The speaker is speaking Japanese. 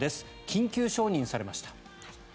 緊急承認されました。